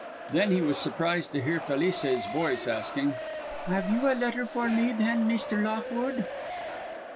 Then he was surprised to hear Felice's voice asking, "'Ave you a letter for me, then, Meester Lockwude?"